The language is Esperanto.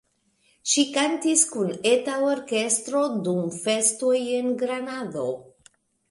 Ŝi kantis kun eta orkestro dum festoj en Granado.